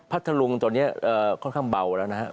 ทะลุงตอนนี้ค่อนข้างเบาแล้วนะครับ